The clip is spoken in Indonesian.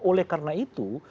oleh karena itu